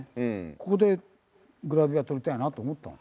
ここでグラビア撮りたいなと思ったもん。